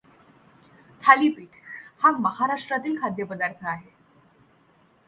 थालीपीठ हा महाराष्ट्रातील खाद्यपदार्थ आहे.